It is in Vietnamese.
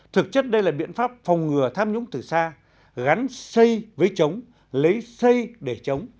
thực chất đây là biện pháp phòng ngừa tham nhũng từ xa gắn xây với chống lấy xây để chống